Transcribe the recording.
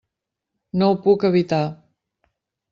No ho puc evitar.